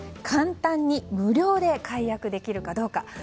簡単に無料で解約できるかどうか。